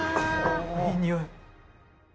いいにおい。